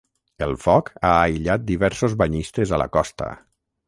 El foc ha aïllat diversos banyistes a la costa.